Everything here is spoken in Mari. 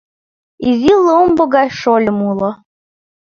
Изи ломбо гай шольым уло.